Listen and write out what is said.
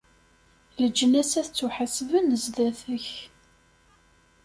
Leǧnas ad ttuḥasben sdat-k!